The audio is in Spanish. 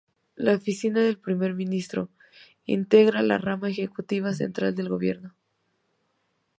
La oficina del primer ministro integra la rama ejecutiva central del gobierno.